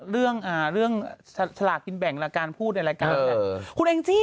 เรื่องเรื่องสลากกินแบ่งและการพูดในรายการคุณแองจี้